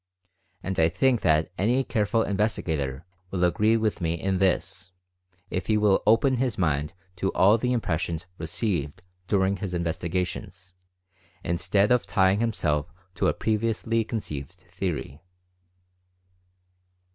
And I think that any careful investigator will agree with me in this, if he will open his mind to all the impressions received during his investigations, instead of tying himself to a previously conceived theory.